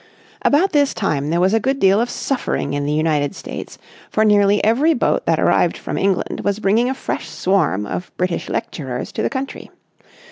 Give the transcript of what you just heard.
About this time there was a good deal of suffering in the United States, for nearly every boat that arrived from England was bringing a fresh swarm of British lecturers to the country.